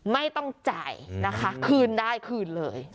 ไม่ต้องจ่ายนะคะคืนได้คืนเลย